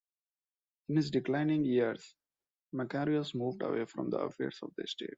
In his declining years, Macarius moved away from the affairs of the state.